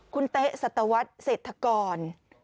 คุณเต๊ะสัตวัสดิเศรษฐกร